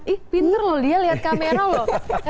ih pinter loh dia liat kamera loh